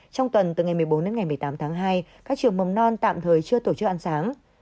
trong tuần từ ngày một mươi bốn đến ngày một mươi tám tháng hai các trường mầm non tạm thời chưa tổ chức ăn sáng